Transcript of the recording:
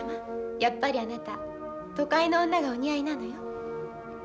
やっぱりあなた都会の女がお似合いなのよ。